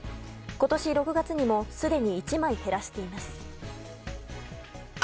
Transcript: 今年６月にもすでに１枚減らしています。